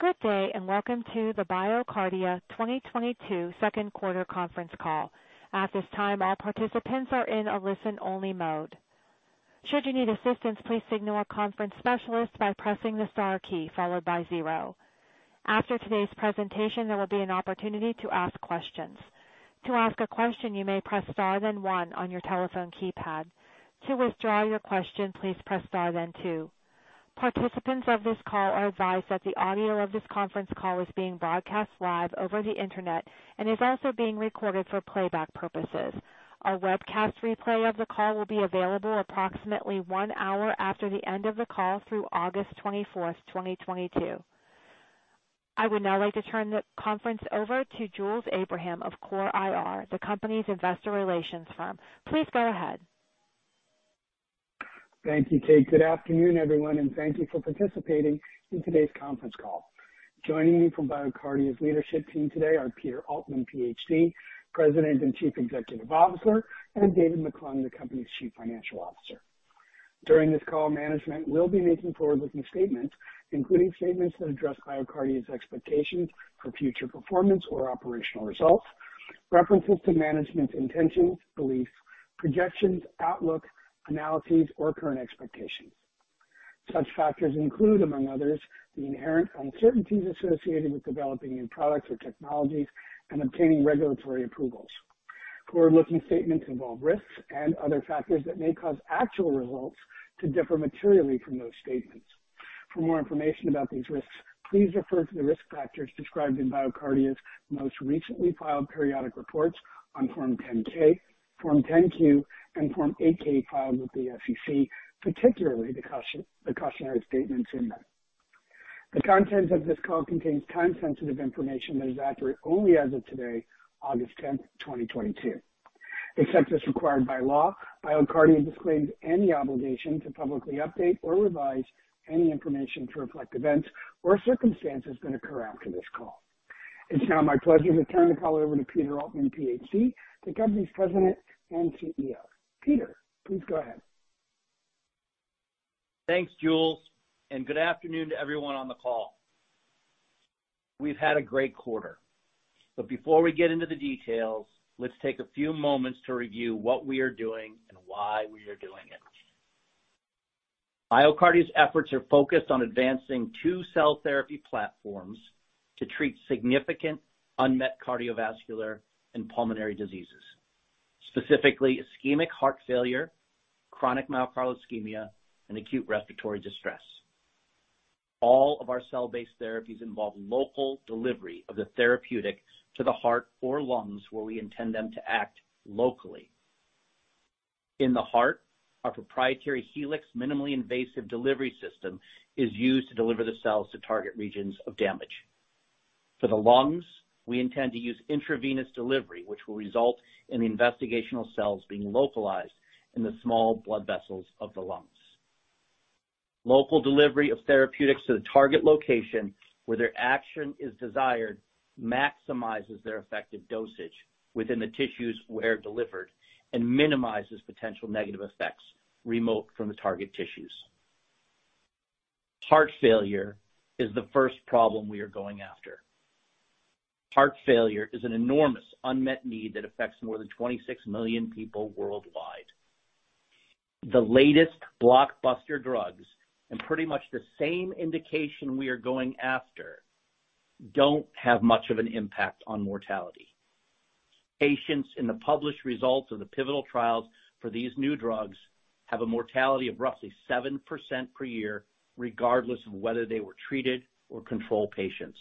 Good day, and welcome to the BioCardia 2022 Q2 conference call. At this time, all participants are in a listen-only mode. Should you need assistance, please signal a conference specialist by pressing the star key followed by zero. After today's presentation, there will be an opportunity to ask questions. To ask a question, you may press star then one on your telephone keypad. To withdraw your question, please press star then two. Participants of this call are advised that the audio of this conference call is being broadcast live over the Internet and is also being recorded for playback purposes. A webcast replay of the call will be available approximately one hour after the end of the call through August 24th, 2022. I would now like to turn the conference over to Jules Abraham of CORE IR, the company's investor relations firm. Please go ahead. Thank you, Kate. Good afternoon, everyone, and thank you for participating in today's conference call. Joining me from BioCardia's leadership team today are Peter Altman, PhD, President and Chief Executive Officer, and David McClung, the company's Chief Financial Officer. During this call, management will be making forward-looking statements, including statements that address BioCardia's expectations for future performance or operational results, references to management's intentions, beliefs, projections, outlook, analyses, or current expectations. Such factors include, among others, the inherent uncertainties associated with developing new products or technologies and obtaining regulatory approvals. Forward-looking statements involve risks and other factors that may cause actual results to differ materially from those statements. For more information about these risks, please refer to the risk factors described in BioCardia's most recently filed periodic reports on Form 10-K, Form 10-Q, and Form 8-K filed with the SEC, particularly the cautionary statements in them. The content of this call contains time-sensitive information that is accurate only as of today, August 10, 2022. Except as required by law, BioCardia disclaims any obligation to publicly update or revise any information to reflect events or circumstances that occur after this call. It's now my pleasure to turn the call over to Peter Altman, Ph.D., the company's President and CEO. Peter, please go ahead. Thanks, Jules, and good afternoon to everyone on the call. We've had a great quarter. Before we get into the details, let's take a few moments to review what we are doing and why we are doing it. BioCardia's efforts are focused on advancing two cell therapy platforms to treat significant unmet cardiovascular and pulmonary diseases, specifically ischemic heart failure, chronic myocardial ischemia, and acute respiratory distress. All of our cell-based therapies involve local delivery of the therapeutic to the heart or lungs, where we intend them to act locally. In the heart, our proprietary Helix minimally invasive delivery system is used to deliver the cells to target regions of damage. For the lungs, we intend to use intravenous delivery, which will result in the investigational cells being localized in the small blood vessels of the lungs. Local delivery of therapeutics to the target location where their action is desired maximizes their effective dosage within the tissues where delivered and minimizes potential negative effects remote from the target tissues. Heart failure is the first problem we are going after. Heart failure is an enormous unmet need that affects more than 26 million people worldwide. The latest blockbuster drugs, and pretty much the same indication we are going after, don't have much of an impact on mortality. Patients in the published results of the pivotal trials for these new drugs have a mortality of roughly 7% per year, regardless of whether they were treated or control patients.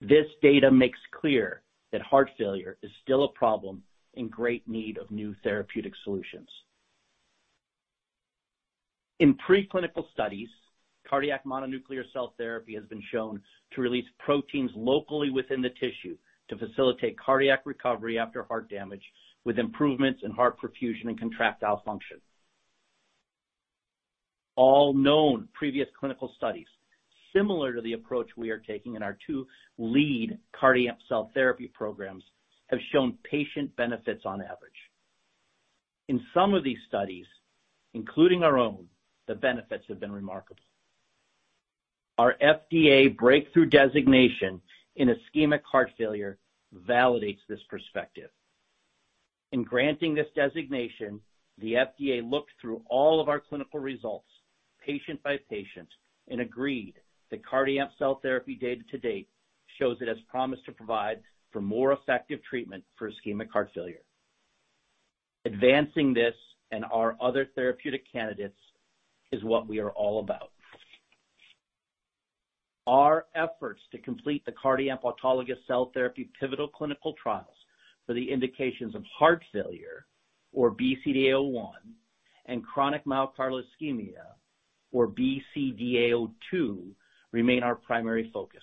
This data makes clear that heart failure is still a problem in great need of new therapeutic solutions. In preclinical studies, cardiac mononuclear cell therapy has been shown to release proteins locally within the tissue to facilitate cardiac recovery after heart damage, with improvements in heart perfusion and contractile function. All known previous clinical studies similar to the approach we are taking in our two lead CardiAMP cell therapy programs have shown patient benefits on average. In some of these studies, including our own, the benefits have been remarkable. Our FDA breakthrough designation in ischemic heart failure validates this perspective. In granting this designation, the FDA looked through all of our clinical results patient by patient and agreed that CardiAMP cell therapy data to date shows it has promised to provide for more effective treatment for ischemic heart failure. Advancing this and our other therapeutic candidates is what we are all about. Our efforts to complete the CardiAMP autologous cell therapy pivotal clinical trials for the indications of heart failure, or BCDA-01, and chronic myocardial ischemia, or BCDA-02, remain our primary focus.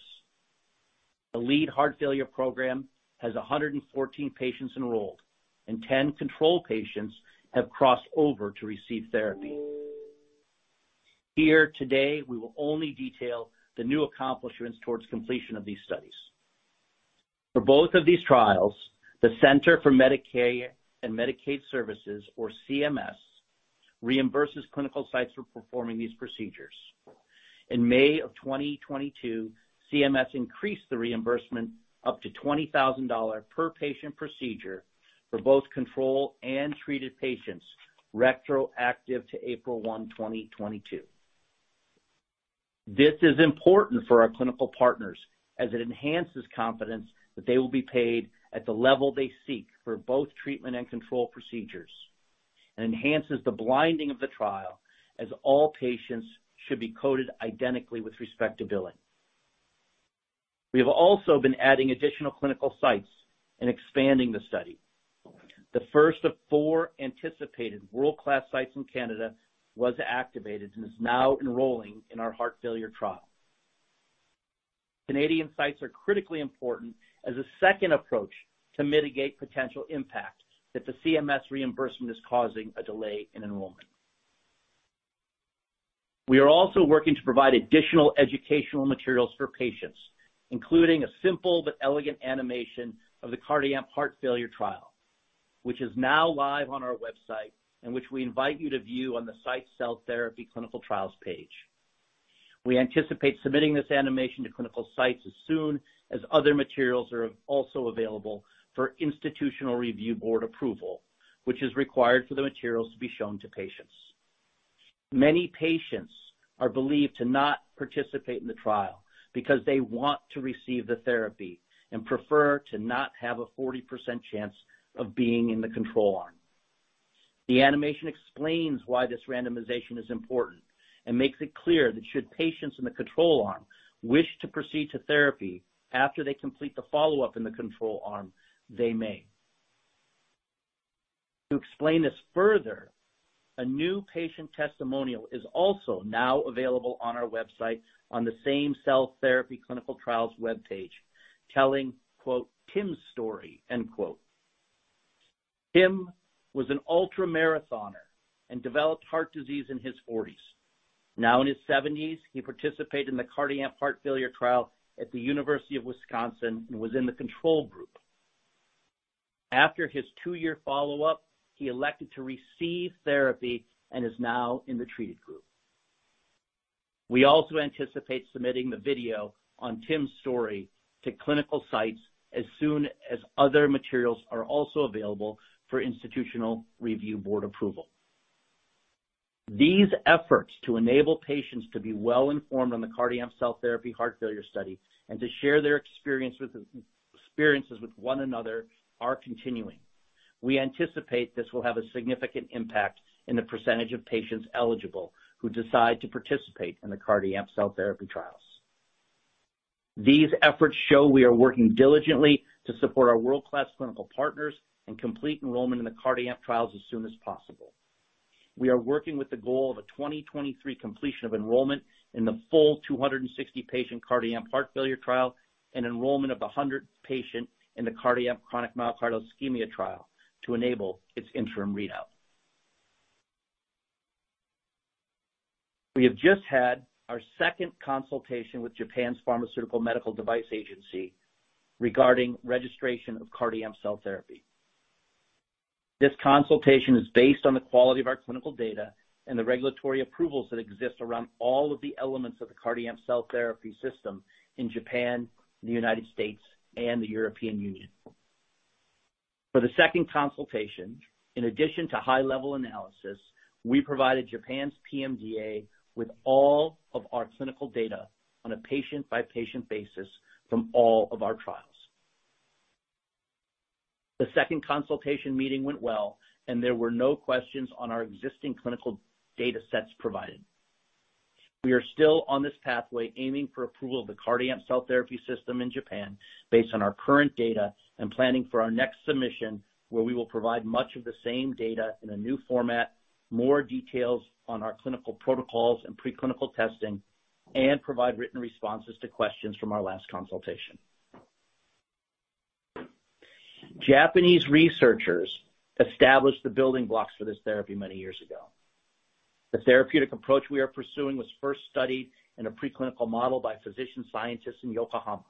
The lead heart failure program has 114 patients enrolled, and 10 control patients have crossed over to receive therapy. Here today, we will only detail the new accomplishments towards completion of these studies. For both of these trials, the Centers for Medicare & Medicaid Services, or CMS, reimburses clinical sites for performing these procedures. In May of 2022, CMS increased the reimbursement up to $20,000 per patient procedure for both control and treated patients retroactive to April 1, 2022. This is important for our clinical partners as it enhances confidence that they will be paid at the level they seek for both treatment and control procedures, and enhances the blinding of the trial as all patients should be coded identically with respect to billing. We have also been adding additional clinical sites and expanding the study. The first of four anticipated world-class sites in Canada was activated and is now enrolling in our heart failure trial. Canadian sites are critically important as a second approach to mitigate potential impact if the CMS reimbursement is causing a delay in enrollment. We are also working to provide additional educational materials for patients, including a simple but elegant animation of the CardiAMP heart failure trial, which is now live on our website and which we invite you to view on the site cell therapy clinical trials page. We anticipate submitting this animation to clinical sites as soon as other materials are also available for institutional review board approval, which is required for the materials to be shown to patients. Many patients are believed to not participate in the trial because they want to receive the therapy and prefer to not have a 40% chance of being in the control arm. The animation explains why this randomization is important and makes it clear that should patients in the control arm wish to proceed to therapy after they complete the follow-up in the control arm, they may. To explain this further, a new patient testimonial is also now available on our website on the same cell therapy clinical trials webpage, telling "Tim's story." Tim was an ultra-marathoner and developed heart disease in his forties. Now in his seventies, he participated in the CardiAMP heart failure trial at the University of Wisconsin and was in the control group. After his two-year follow-up, he elected to receive therapy and is now in the treated group. We also anticipate submitting the video on Tim's story to clinical sites as soon as other materials are also available for institutional review board approval. These efforts to enable patients to be well-informed on the CardiAMP cell therapy heart failure study and to share their experiences with one another are continuing. We anticipate this will have a significant impact in the percentage of patients eligible who decide to participate in the CardiAMP cell therapy trials. These efforts show we are working diligently to support our world-class clinical partners and complete enrollment in the CardiAMP trials as soon as possible. We are working with the goal of a 2023 completion of enrollment in the full 260 patient CardiAMP heart failure trial and enrollment of a 100 patient in the CardiAMP chronic myocardial ischemia trial to enable its interim readout. We have just had our second consultation with Japan's Pharmaceuticals and Medical Devices Agency regarding registration of CardiAMP cell therapy. This consultation is based on the quality of our clinical data and the regulatory approvals that exist around all of the elements of the CardiAMP cell therapy system in Japan, the United States, and the European Union. For the second consultation, in addition to high-level analysis, we provided Japan's PMDA with all of our clinical data on a patient-by-patient basis from all of our trials. The second consultation meeting went well, and there were no questions on our existing clinical data sets provided. We are still on this pathway aiming for approval of the CardiAMP cell therapy system in Japan based on our current data and planning for our next submission, where we will provide much of the same data in a new format, more details on our clinical protocols and pre-clinical testing, and provide written responses to questions from our last consultation. Japanese researchers established the building blocks for this therapy many years ago. The therapeutic approach we are pursuing was first studied in a pre-clinical model by physician scientists in Yokohama.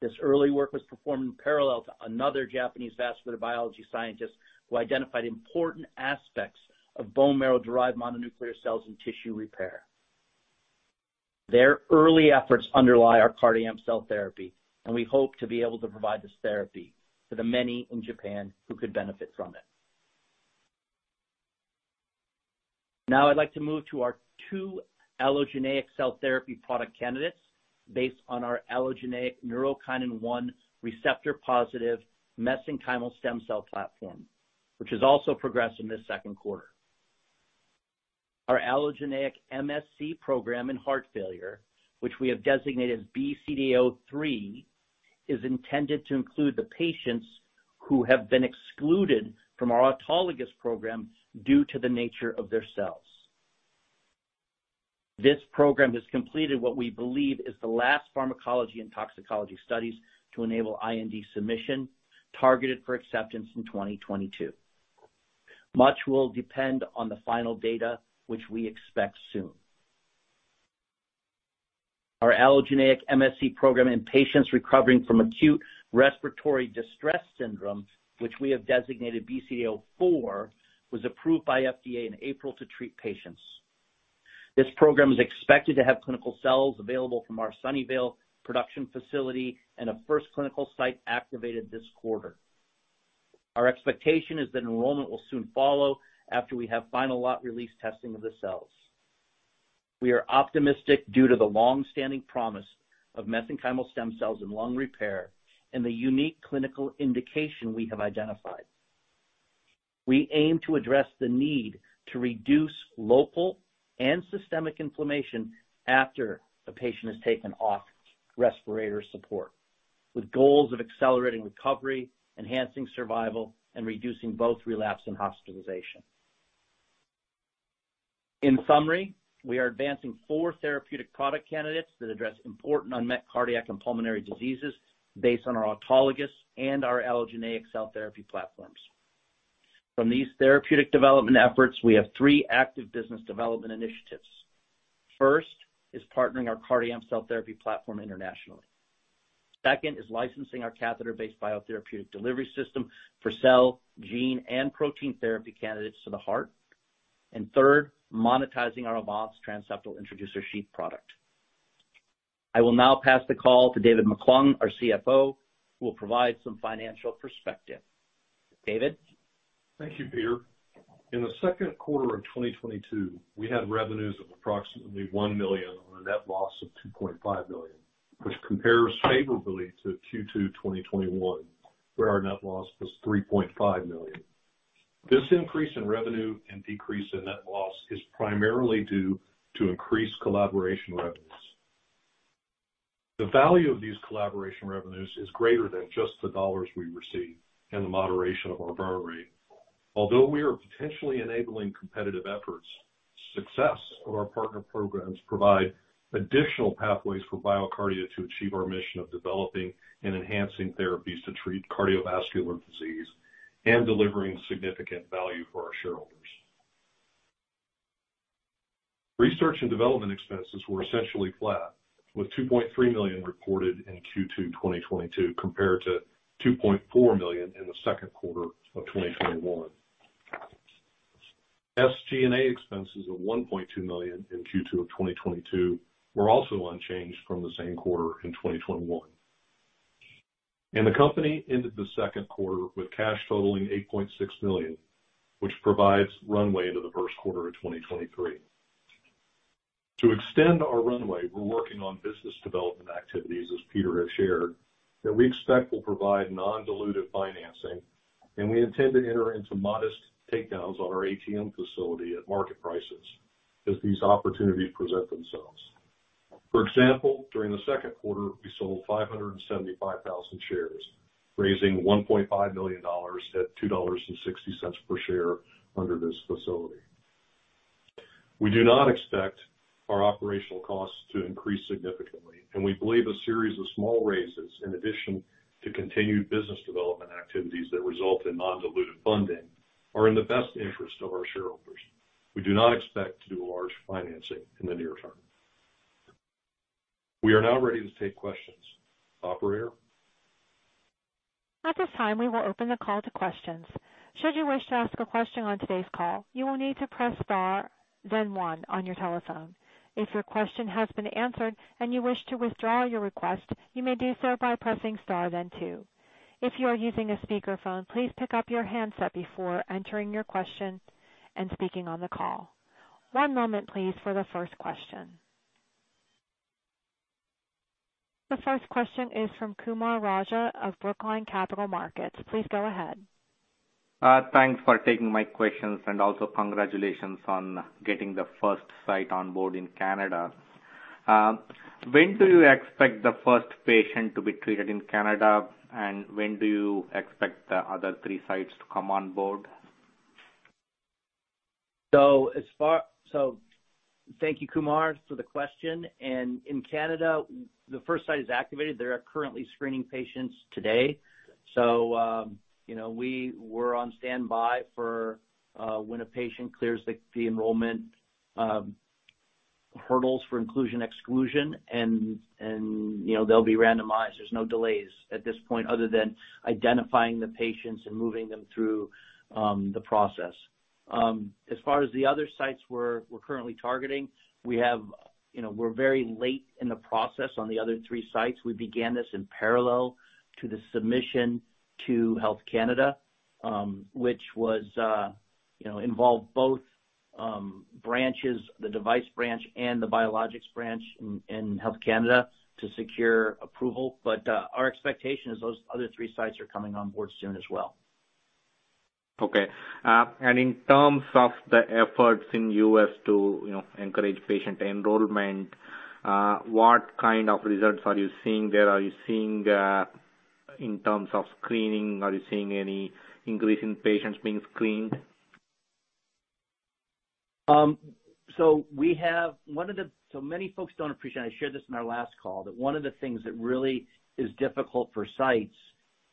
This early work was performed in parallel to another Japanese vascular biology scientist who identified important aspects of bone marrow-derived mononuclear cells and tissue repair. Their early efforts underlie our CardiAMP cell therapy, and we hope to be able to provide this therapy to the many in Japan who could benefit from it. Now I'd like to move to our two allogeneic cell therapy product candidates based on our allogeneic neurokinin-1 receptor-positive mesenchymal stem cell platform, which has also progressed in this Q2. Our allogeneic MSC program in heart failure, which we have designated BCDA-03, is intended to include the patients who have been excluded from our autologous program due to the nature of their cells. This program has completed what we believe is the last pharmacology and toxicology studies to enable IND submission targeted for acceptance in 2022. Much will depend on the final data, which we expect soon. Our allogeneic MSC program in patients recovering from acute respiratory distress syndrome, which we have designated BCDA-04, was approved by FDA in April to treat patients. This program is expected to have clinical cells available from our Sunnyvale production facility and a first clinical site activated this quarter. Our expectation is that enrollment will soon follow after we have final lot release testing of the cells. We are optimistic due to the long-standing promise of mesenchymal stem cells in lung repair and the unique clinical indication we have identified. We aim to address the need to reduce local and systemic inflammation after a patient has taken off respirator support, with goals of accelerating recovery, enhancing survival, and reducing both relapse and hospitalization. In summary, we are advancing four therapeutic product candidates that address important unmet cardiac and pulmonary diseases based on our autologous and our allogeneic cell therapy platforms. From these therapeutic development efforts, we have three active business development initiatives. First is partnering our CardiAMP cell therapy platform internationally. Second is licensing our catheter-based biotherapeutic delivery system for cell, gene, and protein therapy candidates to the heart. And third, monetizing our Avanti transseptal introducer sheath product. I will now pass the call to David McClung, our CFO, who will provide some financial perspective. David? Thank you, Peter. In the Q2 of 2022, we had revenues of approximately $1 million on a net loss of $2.5 million, which compares favorably to Q2 2021, where our net loss was $3.5 million. This increase in revenue and decrease in net loss is primarily due to increased collaboration revenues. The value of these collaboration revenues is greater than just the dollars we receive and the moderation of our burn rate. Although we are potentially enabling competitive efforts, success of our partner programs provide additional pathways for BioCardia to achieve our mission of developing and enhancing therapies to treat cardiovascular disease and delivering significant value for our shareholders. Research and development expenses were essentially flat, with $2.3 million reported in Q2 2022 compared to $2.4 million in the Q2 of 2021. SG&A expenses of $1.2 million in Q2 of 2022 were also unchanged from the same quarter in 2021. The company ended the Q2 with cash totaling $8.6 million, which provides runway into the Q1 of 2023. To extend our runway, we're working on business development activities, as Peter has shared, that we expect will provide non-dilutive financing, and we intend to enter into modest takedowns on our ATM facility at market prices as these opportunities present themselves. For example, during the Q2, we sold 575,000 shares, raising $1.5 million at $2.60 per share under this facility. We do not expect our operational costs to increase significantly, and we believe a series of small raises, in addition to continued business development activities that result in non-dilutive funding, are in the best interest of our shareholders. We do not expect to do a large financing in the near term. We are now ready to take questions. Operator? At this time, we will open the call to questions. Should you wish to ask a question on today's call, you will need to press star then one on your telephone. If your question has been answered and you wish to withdraw your request, you may do so by pressing star then two. If you are using a speakerphone, please pick up your handset before entering your question and speaking on the call. One moment, please, for the first question. The first question is from Kumar Raja of Brookline Capital Markets. Please go ahead. Thanks for taking my questions, and also congratulations on getting the first site on board in Canada. When do you expect the first patient to be treated in Canada, and when do you expect the other three sites to come on board? Thank you, Kumar, for the question. In Canada, the first site is activated. They are currently screening patients today. You know, we were on standby for when a patient clears the enrollment hurdles for inclusion, exclusion, and you know, they'll be randomized. There's no delays at this point other than identifying the patients and moving them through the process. As far as the other sites we're currently targeting, you know, we're very late in the process on the other three sites. We began this in parallel to the submission to Health Canada, which was involved both branches, the device branch and the biologics branch in Health Canada to secure approval. Our expectation is those other three sites are coming on board soon as well. Okay. In terms of the efforts in U.S. to, you know, encourage patient enrollment, what kind of results are you seeing there? Are you seeing, in terms of screening, are you seeing any increase in patients being screened? Many folks don't appreciate. I shared this in our last call, that one of the things that really is difficult for sites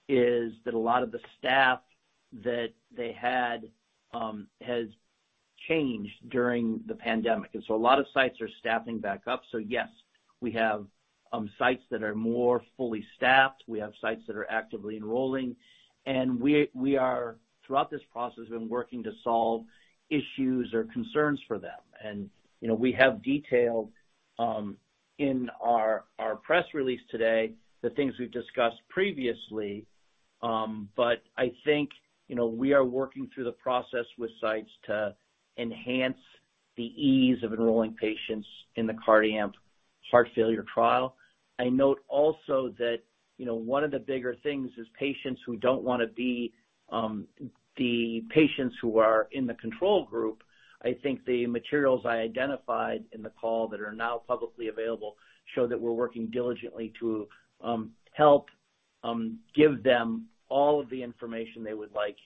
is that a lot of the staff that they had has changed during the pandemic. A lot of sites are staffing back up. Yes, we have sites that are more fully staffed. We have sites that are actively enrolling, and we are, throughout this process, been working to solve issues or concerns for them. You know, we have detailed in our press release today the things we've discussed previously. I think, you know, we are working through the process with sites to enhance the ease of enrolling patients in the CardiAMP heart failure trial. I note also that, you know, one of the bigger things is patients who don't wanna be the patients who are in the control group. I think the materials I identified in the call that are now publicly available show that we're working diligently to help give them all of the information they would like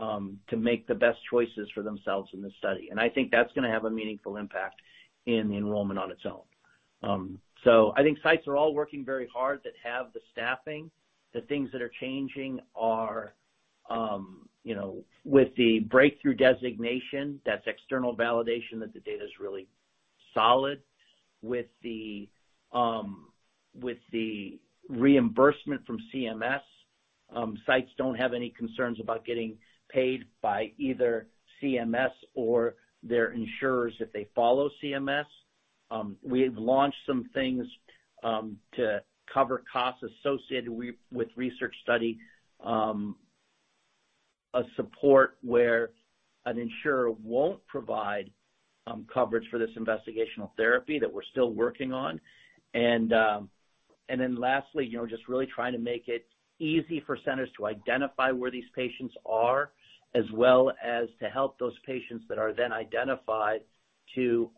to make the best choices for themselves in this study. I think that's gonna have a meaningful impact in the enrollment on its own. So I think sites are all working very hard that have the staffing. The things that are changing are, you know, with the breakthrough designation, that's external validation that the data is really solid. With the reimbursement from CMS, sites don't have any concerns about getting paid by either CMS or their insurers if they follow CMS. We have launched some things to cover costs associated with research study support where an insurer won't provide coverage for this investigational therapy that we're still working on. Lastly, you know, just really trying to make it easy for centers to identify where these patients are, as well as to help those patients that are then identified to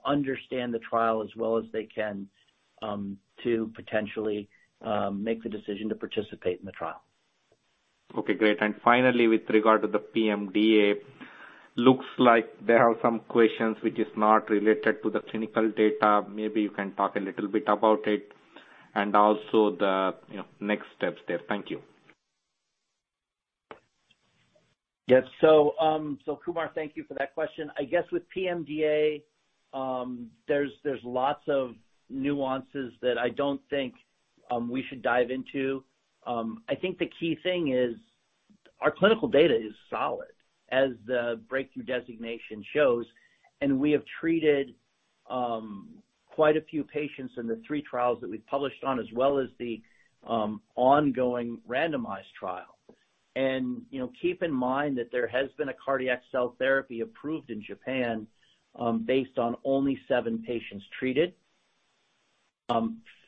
understand the trial as well as they can, to potentially make the decision to participate in the trial. Okay, great. Finally, with regard to the PMDA, looks like there are some questions which is not related to the clinical data. Maybe you can talk a little bit about it and also the, you know, next steps there. Thank you. Yes. Kumar, thank you for that question. I guess with PMDA, there's lots of nuances that I don't think we should dive into. I think the key thing is our clinical data is solid, as the breakthrough designation shows, and we have treated quite a few patients in the three trials that we've published on, as well as the ongoing randomized trial. You know, keep in mind that there has been a cardiac cell therapy approved in Japan based on only seven patients treated.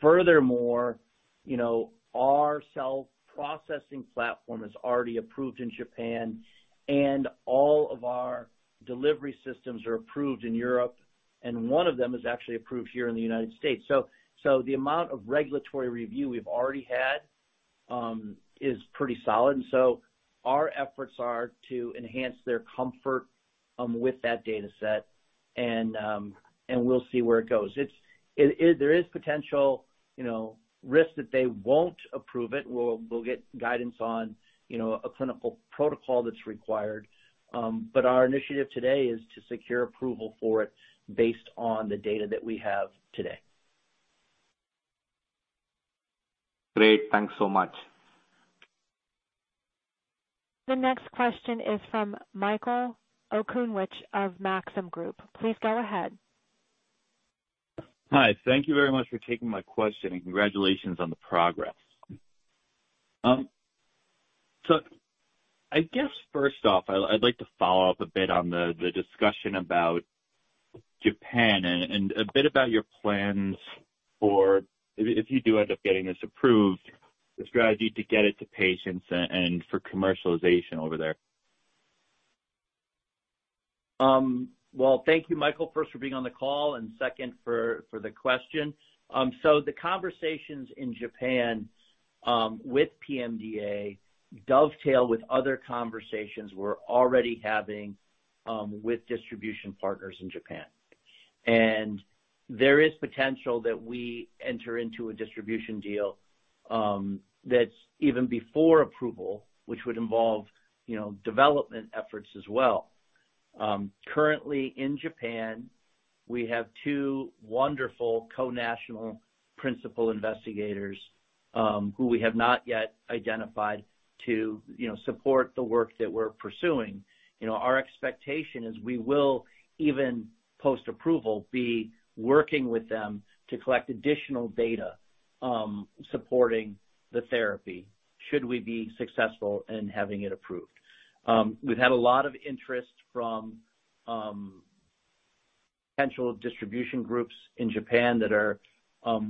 Furthermore, you know, our cell processing platform is already approved in Japan, and all of our delivery systems are approved in Europe, and one of them is actually approved here in the United States. The amount of regulatory review we've already had is pretty solid. Our efforts are to enhance their comfort with that data set, and we'll see where it goes. There is potential, you know, risk that they won't approve it. We'll get guidance on, you know, a clinical protocol that's required. Our initiative today is to secure approval for it based on the data that we have today. Great. Thanks so much. The next question is from Michael Okunewicz of Maxim Group. Please go ahead. Hi. Thank you very much for taking my question, and congratulations on the progress. I guess first off, I'd like to follow up a bit on the discussion about Japan and a bit about your plans for if you do end up getting this approved, the strategy to get it to patients and for commercialization over there. Thank you, Michael, first for being on the call, and second for the question. The conversations in Japan with PMDA dovetail with other conversations we're already having with distribution partners in Japan. There is potential that we enter into a distribution deal that's even before approval, which would involve, you know, development efforts as well. Currently in Japan, we have two wonderful co-national principal investigators who we have not yet identified to, you know, support the work that we're pursuing. You know, our expectation is we will even, post-approval, be working with them to collect additional data supporting the therapy should we be successful in having it approved. We've had a lot of interest from potential distribution groups in Japan that are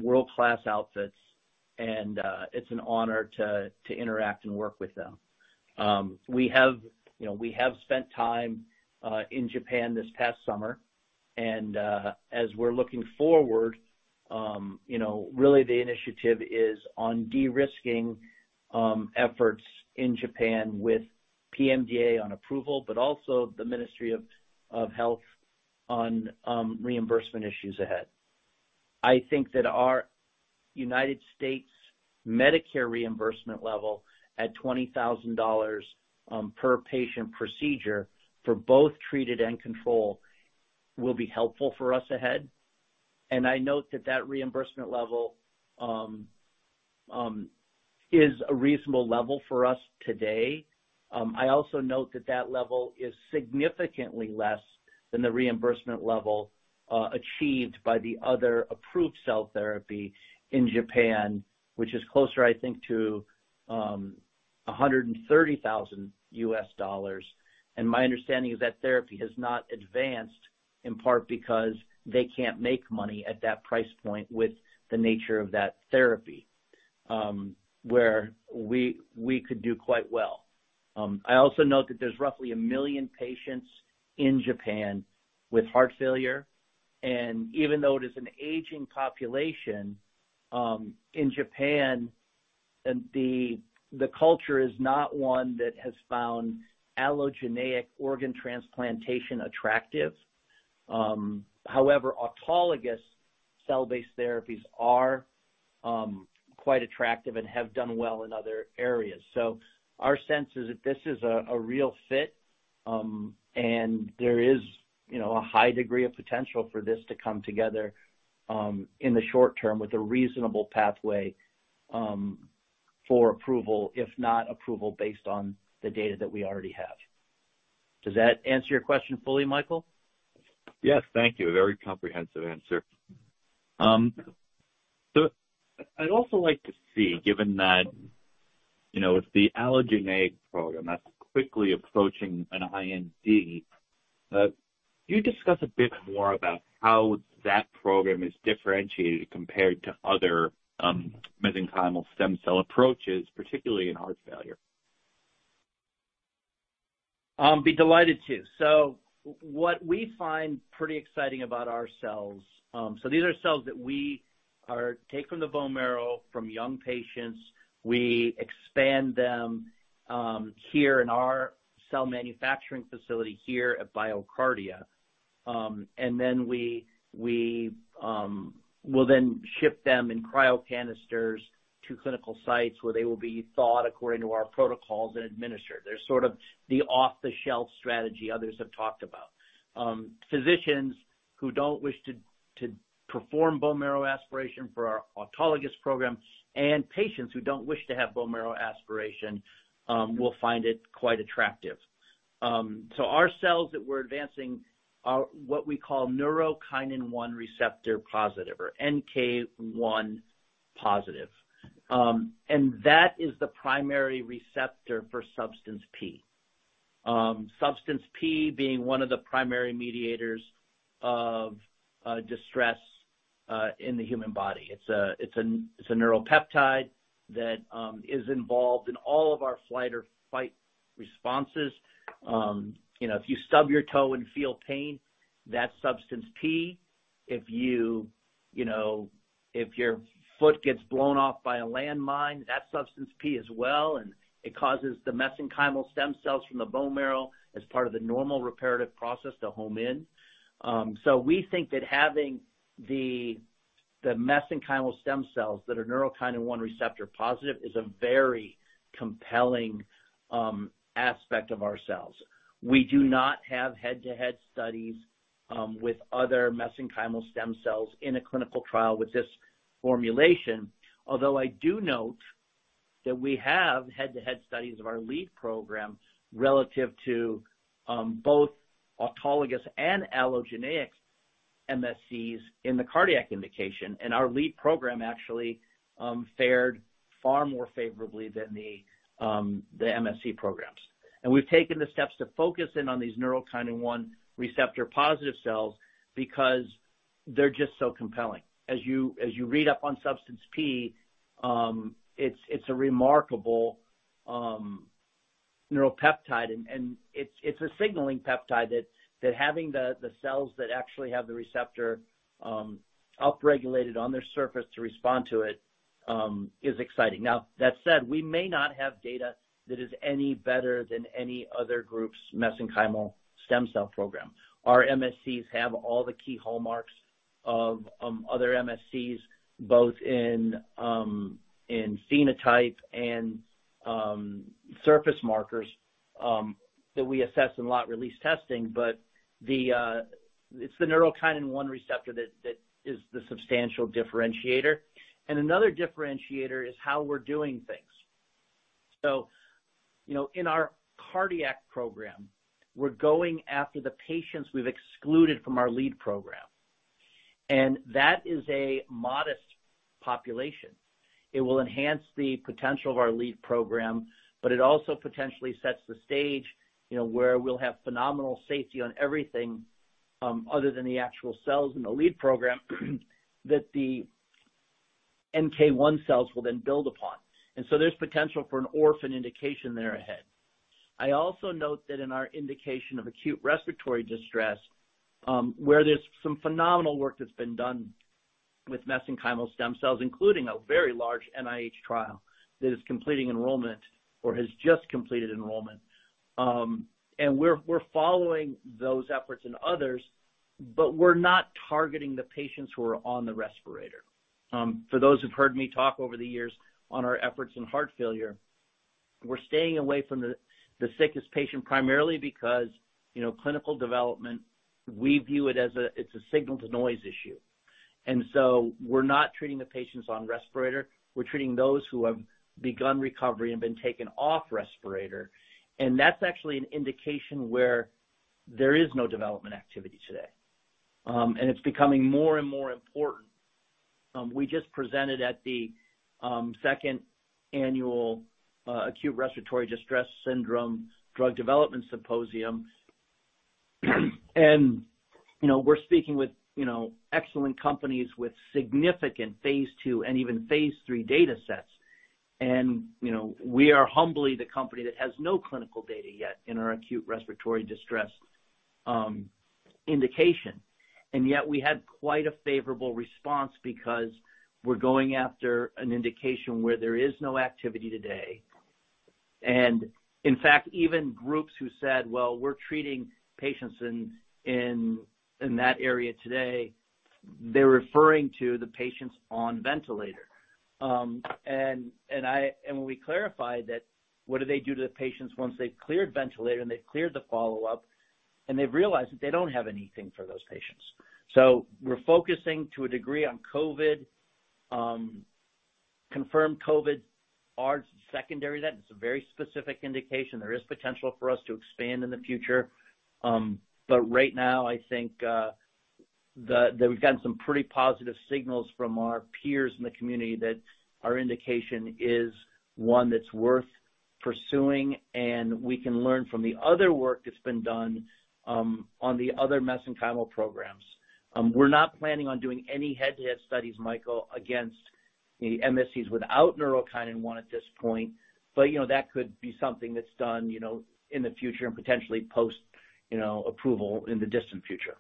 world-class outfits, and it's an honor to interact and work with them. We have, you know, spent time in Japan this past summer, and as we're looking forward, you know, really the initiative is on de-risking efforts in Japan with PMDA on approval, but also the Ministry of Health on reimbursement issues ahead. I think that our United States Medicare reimbursement level at $20,000 per patient procedure for both treated and control will be helpful for us ahead. I note that reimbursement level is a reasonable level for us today. I also note that that level is significantly less than the reimbursement level achieved by the other approved cell therapy in Japan, which is closer, I think, to $130,000. My understanding is that therapy has not advanced, in part because they can't make money at that price point with the nature of that therapy, where we could do quite well. I also note that there's roughly 1 million patients in Japan with heart failure. Even though it is an aging population in Japan, the culture is not one that has found allogeneic organ transplantation attractive. However, autologous cell-based therapies are quite attractive and have done well in other areas. our sense is that this is a real fit, and there is, you know, a high degree of potential for this to come together, in the short term with a reasonable pathway, for approval, if not approval based on the data that we already have. Does that answer your question fully, Michael? Yes. Thank you. A very comprehensive answer. I'd also like to see, given that, you know, with the allogeneic program that's quickly approaching an IND, can you discuss a bit more about how that program is differentiated compared to other, mesenchymal stem cell approaches, particularly in heart failure? I'll be delighted to. What we find pretty exciting about our cells. These are cells that we take from the bone marrow from young patients. We expand them here in our cell manufacturing facility here at BioCardia. We will then ship them in cryo canisters to clinical sites where they will be thawed according to our protocols and administered. They're sort of the off-the-shelf strategy others have talked about. Physicians who don't wish to perform bone marrow aspiration for our autologous program and patients who don't wish to have bone marrow aspiration will find it quite attractive. Our cells that we're advancing are what we call neurokinin-1 receptor positive or NK1 positive. That is the primary receptor for Substance P, Substance P being one of the primary mediators of distress in the human body. It's a neuropeptide that is involved in all of our fight or flight responses. You know, if you stub your toe and feel pain, that's Substance P. You know, if your foot gets blown off by a landmine, that's Substance P as well, and it causes the mesenchymal stem cells from the bone marrow as part of the normal reparative process to home in. We think that having the mesenchymal stem cells that are neurokinin-1 receptor-positive is a very compelling aspect of our cells. We do not have head-to-head studies with other mesenchymal stem cells in a clinical trial with this formulation. Although, I do note that we have head-to-head studies of our lead program relative to both autologous and allogeneic MSCs in the cardiac indication. Our lead program actually fared far more favorably than the MSC programs. We've taken the steps to focus in on these neurokinin-1 receptor-positive cells because they're just so compelling. As you read up on Substance P, it's a remarkable neuropeptide, and it's a signaling peptide that having the cells that actually have the receptor upregulated on their surface to respond to it is exciting. Now, that said, we may not have data that is any better than any other group's mesenchymal stem cell program. Our MSCs have all the key hallmarks of other MSCs, both in phenotype and surface markers that we assess in lot release testing. It's the neurokinin-1 receptor that is the substantial differentiator. Another differentiator is how we're doing things. You know, in our cardiac program, we're going after the patients we've excluded from our lead program. That is a modest population. It will enhance the potential of our lead program, but it also potentially sets the stage, you know, where we'll have phenomenal safety on everything other than the actual cells in the lead program, that the NK-1 cells will then build upon. There's potential for an orphan indication there ahead. I also note that in our indication of acute respiratory distress, where there's some phenomenal work that's been done with mesenchymal stem cells, including a very large NIH trial that is completing enrollment or has just completed enrollment. We're following those efforts and others, but we're not targeting the patients who are on the respirator. For those who've heard me talk over the years on our efforts in heart failure, we're staying away from the sickest patient, primarily because, you know, clinical development, we view it as a, it's a signal-to-noise issue. We're not treating the patients on respirator. We're treating those who have begun recovery and been taken off respirator. That's actually an indication where there is no development activity today. It's becoming more and more important. We just presented at the Second Annual ARDS Drug Development Summit. You know, we're speaking with, you know, excellent companies with significant Phase II and even Phase III datasets. You know, we are humbly the company that has no clinical data yet in our acute respiratory distress indication. Yet we had quite a favorable response because we're going after an indication where there is no activity today. In fact, even groups who said, "Well, we're treating patients in that area today," they're referring to the patients on ventilator. When we clarified that, what do they do to the patients once they've cleared ventilator, and they've cleared the follow-up, and they've realized that they don't have anything for those patients? We're focusing to a degree on COVID, confirmed COVID, ARDS secondary to that. It's a very specific indication. There is potential for us to expand in the future. Right now, I think that we've gotten some pretty positive signals from our peers in the community that our indication is one that's worth pursuing, and we can learn from the other work that's been done on the other mesenchymal programs. We're not planning on doing any head-to-head studies, Michael, against the MSCs without neurokinin-1 at this point, but, you know, that could be something that's done, you know, in the future and potentially post, you know, approval in the distant future.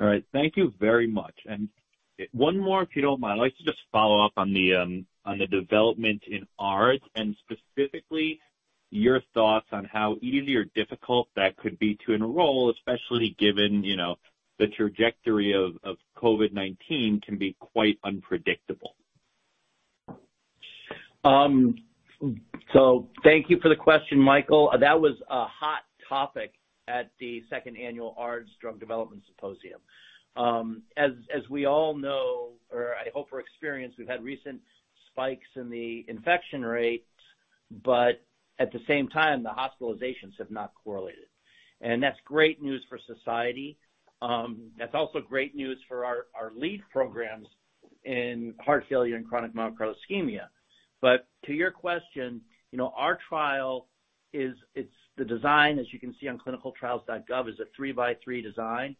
All right. Thank you very much. One more, if you don't mind. I'd like to just follow up on the development in ARDS, and specifically your thoughts on how easy or difficult that could be to enroll, especially given, you know, the trajectory of COVID-19 can be quite unpredictable. Thank you for the question, Michael. That was a hot topic at the second annual ARDS Drug Development Summit. As we all know, or I hope we're experienced, we've had recent spikes in the infection rates, but at the same time, the hospitalizations have not correlated. That's great news for society. That's also great news for our lead programs in heart failure and chronic myocardial ischemia. To your question, you know, our trial is, it's the design, as you can see on ClinicalTrials.gov, is a three-by-three design.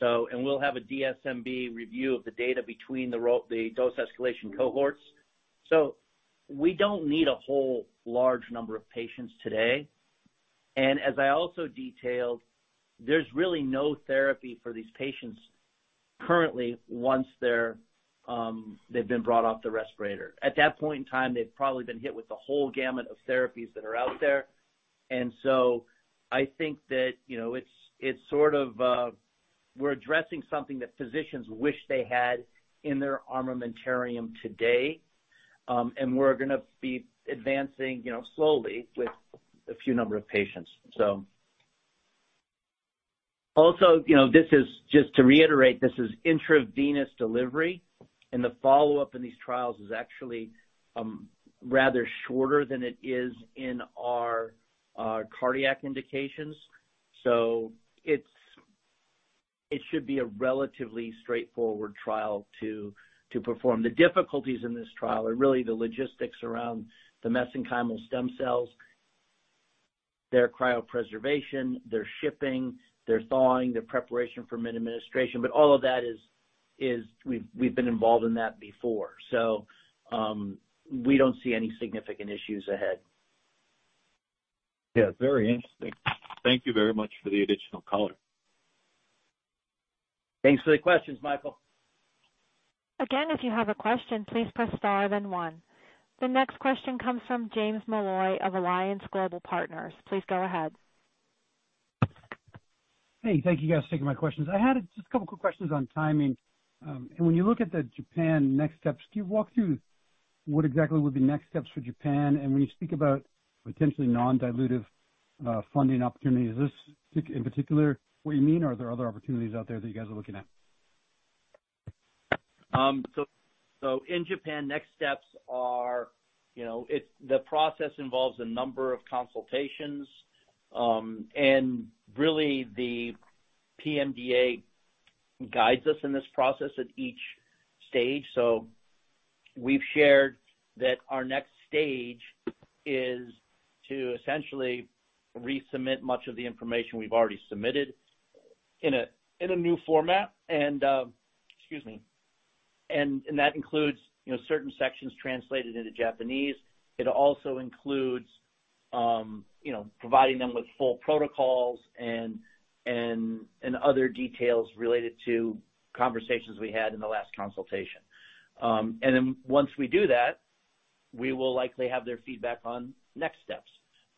We'll have a DSMB review of the data between the dose escalation cohorts. We don't need a whole large number of patients today. As I also detailed, there's really no therapy for these patients currently once they've been brought off the respirator. At that point in time, they've probably been hit with a whole gamut of therapies that are out there. I think that, you know, it's sort of we're addressing something that physicians wish they had in their armamentarium today. We're gonna be advancing, you know, slowly with a few number of patients. Also, you know, this is just to reiterate, this is intravenous delivery, and the follow-up in these trials is actually rather shorter than it is in our cardiac indications. It should be a relatively straightforward trial to perform. The difficulties in this trial are really the logistics around the mesenchymal stem cells, their cryopreservation, their shipping, their thawing, their preparation for mid-administration. All of that is we've been involved in that before. We don't see any significant issues ahead. Yeah, very interesting. Thank you very much for the additional color. Thanks for the questions, Michael. Again, if you have a question, please press star then one. The next question comes from James Molloy of Alliance Global Partners. Please go ahead. Hey, thank you guys for taking my questions. I had just a couple quick questions on timing. When you look at the Japan next steps, can you walk through what exactly would be next steps for Japan? When you speak about potentially non-dilutive funding opportunities, is this in particular what you mean, or are there other opportunities out there that you guys are looking at? In Japan, next steps are, you know, it's the process involves a number of consultations, and really the PMDA guides us in this process at each stage. We've shared that our next stage is to essentially resubmit much of the information we've already submitted in a new format. That includes, you know, certain sections translated into Japanese. It also includes, you know, providing them with full protocols and other details related to conversations we had in the last consultation. Then once we do that, we will likely have their feedback on next steps.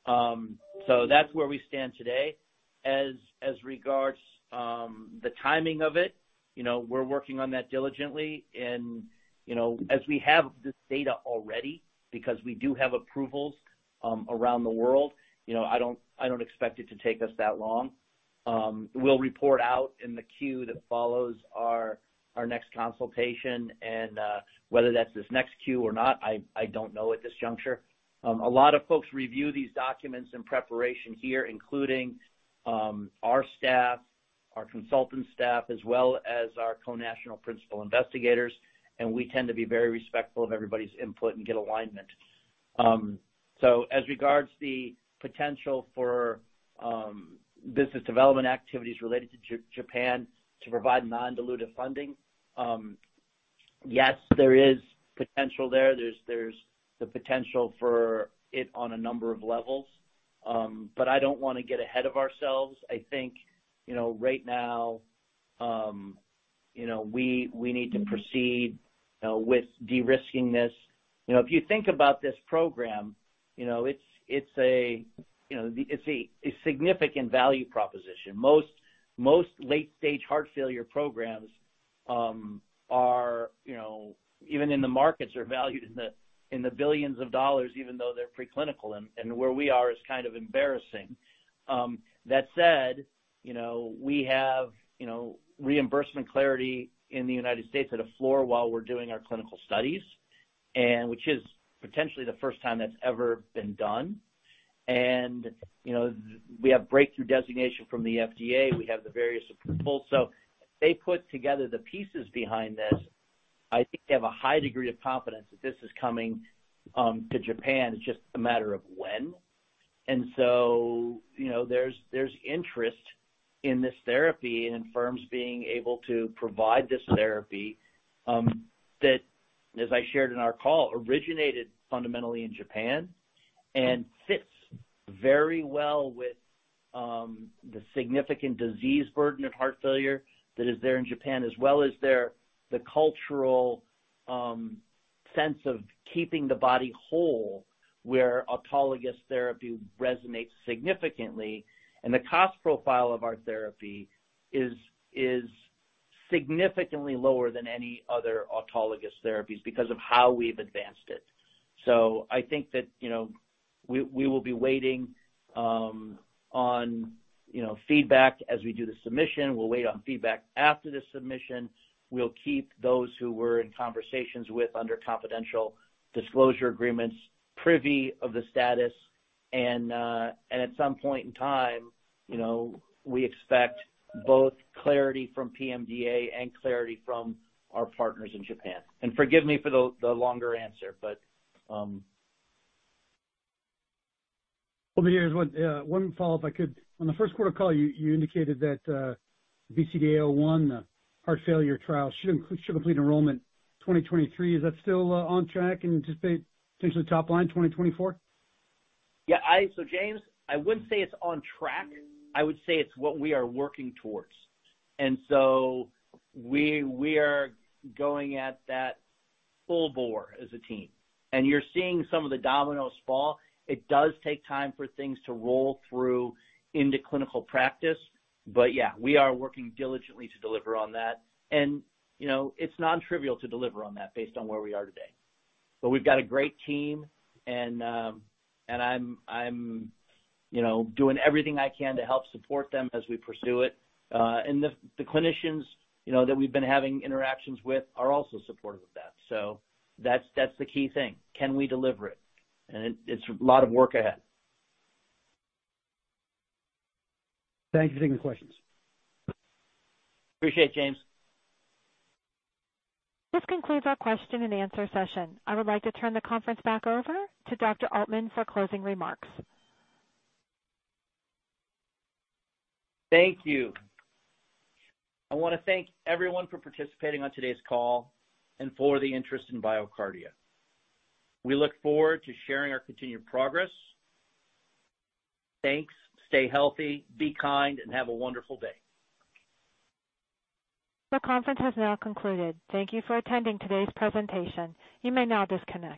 That's where we stand today. As regards the timing of it, you know, we're working on that diligently and, you know, as we have this data already, because we do have approvals around the world, you know, I don't expect it to take us that long. We'll report out in the Q that follows our next consultation and whether that's this next Q or not, I don't know at this juncture. A lot of folks review these documents in preparation here, including our staff, our consultant staff, as well as our national principal investigators, and we tend to be very respectful of everybody's input and get alignment. As regards the potential for business development activities related to Japan to provide non-dilutive funding, yes, there is potential there. There's the potential for it on a number of levels. I don't wanna get ahead of ourselves. I think, you know, right now, you know, we need to proceed with de-risking this. You know, if you think about this program, you know, it's a significant value proposition. Most late stage heart failure programs, you know, even in the markets, are valued in the billions of dollars, even though they're preclinical, and where we are is kind of embarrassing. That said, you know, we have, you know, reimbursement clarity in the United States at a floor while we're doing our clinical studies, and which is potentially the first time that's ever been done. You know, we have breakthrough designation from the FDA. We have the various approvals. If they put together the pieces behind this, I think they have a high degree of confidence that this is coming to Japan. It's just a matter of when. You know, there's interest in this therapy and in firms being able to provide this therapy, that, as I shared in our call, originated fundamentally in Japan and fits very well with the significant disease burden of heart failure that is there in Japan, as well as their the cultural sense of keeping the body whole, where autologous therapy resonates significantly. The cost profile of our therapy is significantly lower than any other autologous therapies because of how we've advanced it. I think that, you know, we will be waiting on, you know, feedback as we do the submission. We'll wait on feedback after the submission. We'll keep those who we're in conversations with under confidential disclosure agreements privy of the status, and at some point in time, you know, we expect both clarity from PMDA and clarity from our partners in Japan. Forgive me for the longer answer, but. One follow-up, I could. On the Q1 call, you indicated that BCDA-01 heart failure trial should complete enrollment 2023. Is that still on track and anticipate potentially top line 2024? Yeah, James, I wouldn't say it's on track. I would say it's what we are working towards. We are going at that full bore as a team. You're seeing some of the dominoes fall. It does take time for things to roll through into clinical practice. Yeah, we are working diligently to deliver on that. You know, it's non-trivial to deliver on that based on where we are today. We've got a great team, and I'm you know doing everything I can to help support them as we pursue it. The clinicians you know that we've been having interactions with are also supportive of that. That's the key thing. Can we deliver it? It's a lot of work ahead. Thank you for taking the questions. Appreciate it, James. This concludes our question and answer session. I would like to turn the conference back over to Dr. Altman for closing remarks. Thank you. I wanna thank everyone for participating on today's call and for the interest in BioCardia. We look forward to sharing our continued progress. Thanks. Stay healthy, be kind, and have a wonderful day. The conference has now concluded. Thank you for attending today's presentation. You may now disconnect.